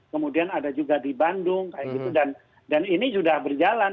kemudian ada juga di bandung dan ini sudah berjalan